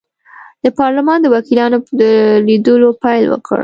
د پارلمان د وکیلانو په لیدلو پیل وکړ.